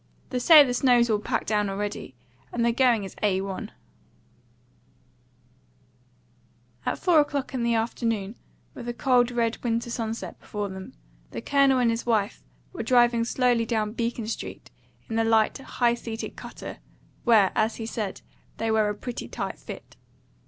They say the snow's all packed down already, and the going is A 1." At four o'clock in the afternoon, with a cold, red winter sunset before them, the Colonel and his wife were driving slowly down Beacon Street in the light, high seated cutter, where, as he said, they were a pretty tight fit.